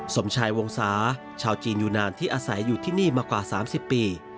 สมชายวงศาชาวจีนอยู่นานที่อาศัยอยู่ที่นี่มากว่า๓๐ปี